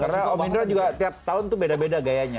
karena om indro juga tiap tahun tuh beda beda gayanya